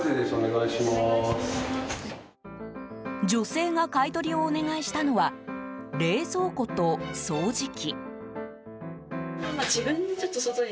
女性が買い取りをお願いしたのは冷蔵庫と掃除機。